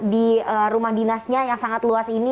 di rumah dinasnya yang sangat luas ini